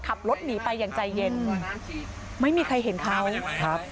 ขับรถหนีไปอย่างใจเย็นไม่มีใครเห็นเขาครับ